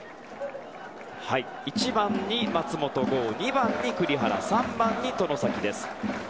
１番に松本剛、２番に栗原３番に外崎です。